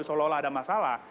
seolah olah ada masalah